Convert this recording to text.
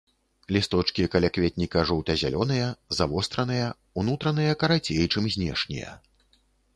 Лісточкі калякветніка жоўта-зялёныя, завостраныя, унутраныя карацей чым знешнія.